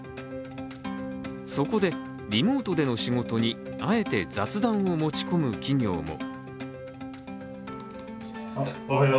そこで、リモートでの仕事にあえて雑談を持ち込む企業も。